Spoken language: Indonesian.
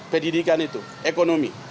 pendidikan itu ekonomi